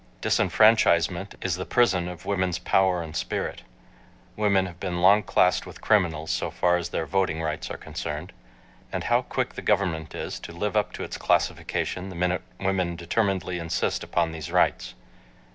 Disfranchisement is the prison of women's power and spirit. Women have long been classed with criminals so far as their voting rights are concerned. And how quick the Government is to live up to its classification the minute women determinedly insist upon these rights.